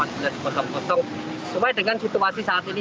sesuai dengan situasi saat ini